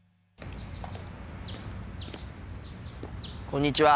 こんにちは。